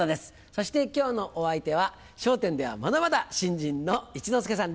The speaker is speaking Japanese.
そして今日のお相手は『笑点』ではまだまだ新人の一之輔さんです。